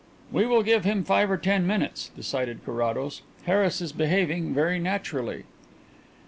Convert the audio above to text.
"We will give him five or ten minutes," decided Carrados. "Harris is behaving very naturally."